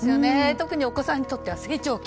特に、お子さんにとっては成長期。